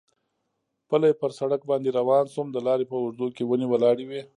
پلی پر سړک باندې روان شوم، د لارې په اوږدو کې ونې ولاړې وې.